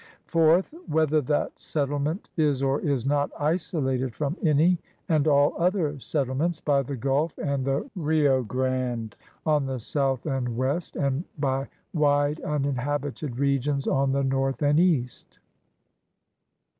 Fourth. Whether that settlement is or is not isolated from any and all other settlements by the Gulf and the Rio Grande on the south and west, and by wide uninhabited regions on the north and east.